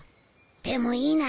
でもいいな！